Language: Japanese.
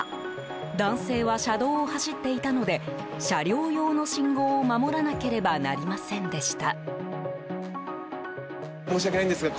男性は車道を走っていたので車両用の信号を守らなければなりませんでした。